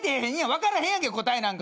分からへんやんけ答えなんか。